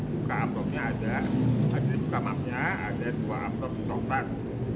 di buka amplopnya ada di buka mapnya ada dua amplop coklat